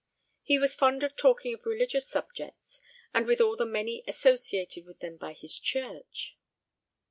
He was fond of talking of religious subjects, and with all the many associated with them by his church.